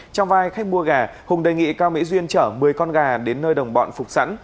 trong vai khách mua gà hùng đề nghị cao mỹ duyên chở một mươi con gà đến nơi đồng bọn phục sẵn